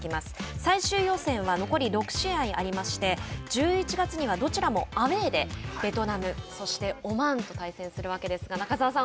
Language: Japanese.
最終予選は残り６試合ありまして１１月にはどちらもアウェーでベトナム、そしてオマーンと対戦するわけですが中澤さん